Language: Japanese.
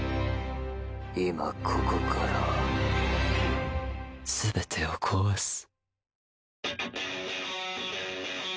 今ここから全てを壊す。